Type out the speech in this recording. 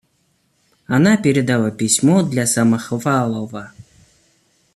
Она передала письмо для Самохвалова.